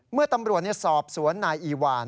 เมื่อตำรวจสอบสวนนายอีวาน